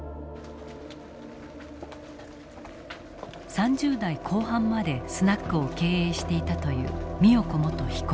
３０代後半までスナックを経営していたという美代子元被告。